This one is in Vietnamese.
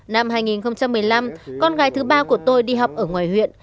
năm hai nghìn một mươi năm con gái thứ ba của tôi đi học ở ngoài huyện